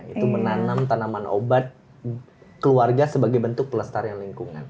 itu menanam tanaman obat keluarga sebagai bentuk pelestarian lingkungan